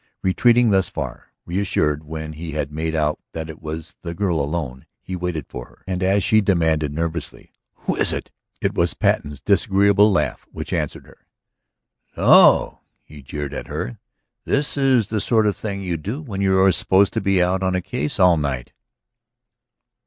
Retreating thus far, reassured when he had made out that it was the girl alone, he waited for her. And as she demanded nervously, "Who is it?" it was Patten's disagreeable laugh which answered her. "So," he jeered at her, "this is the sort of thing you do when you are supposed to be out on a case all night!"